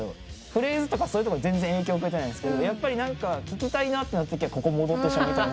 フレーズとか全然影響受けてないんですがやっぱり聴きたいなってなったときここ戻ってしまう。